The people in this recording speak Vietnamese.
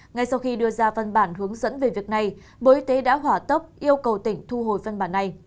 ngay sau khi đưa ra văn bản hướng dẫn về việc này bộ y tế đã hỏa tốc yêu cầu tỉnh thu hồi văn bản này